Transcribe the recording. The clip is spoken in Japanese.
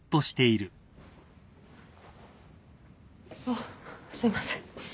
あっすいません。